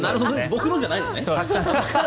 僕のじゃないのね。